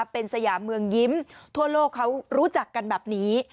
เป็นสยามเมืองยิ้มทั่วโลกเขารู้จักกันแบบนี้